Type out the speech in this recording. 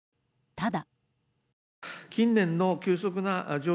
ただ。